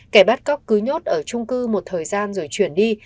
kẻ bắt cóc cứ nhốt ở trung cư một thời gian rồi chuyển đi